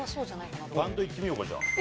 バンドいってみようかじゃあ。